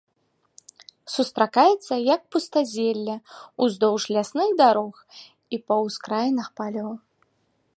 Сустракаецца як пустазелле ўздоўж лясных дарог і па ўскраінах палёў.